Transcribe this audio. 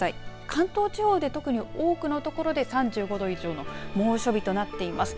関東地方で特に多くのところで３５度以上の猛暑日となっています。